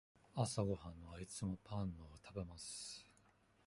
朝ごはんはいつもパンを食べます。